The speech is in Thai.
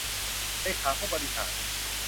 เลขาผู้บริหาร